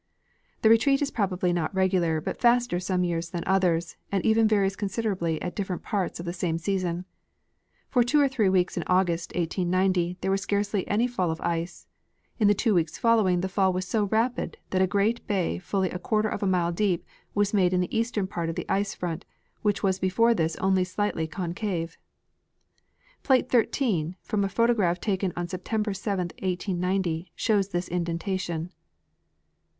The retreat is probably not regular but faster some years than others, and even varies considerably at different j^arts of the same season. For two or three weeks in Augaist, 1890, there was scarcely an}^ fall of ice ; in the two weeks following the fall was so rapid that a great bay fully a quarter of a mile deep was made in the eastern part of the ice front, which was before this only slightly concave. Plate 13, from a photograph taken on Sep tember 7, 1890, shows this indentation.